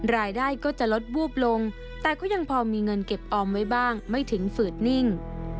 รายได้ก็จะลดวูบลงแต่ก็ยังพอมีเงินเก็บออมไว้บ้างไม่ถึงฝืดนิ่ง